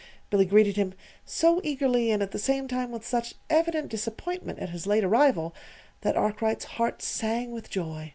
Billy greeted him so eagerly, and at the same time with such evident disappointment at his late arrival, that Arkwright's heart sang with joy.